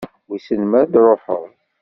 Wissen ma ad truḥeḍ?